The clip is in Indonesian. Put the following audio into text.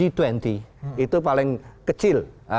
itu paling kecil